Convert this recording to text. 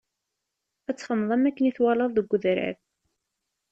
Ad txedmeḍ am akken i t-twalaḍ-t deg udrar.